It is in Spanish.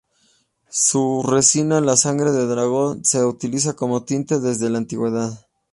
Su resina, la sangre de drago, se utiliza como tinte desde la antigüedad.